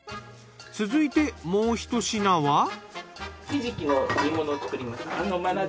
続いてもう一品は。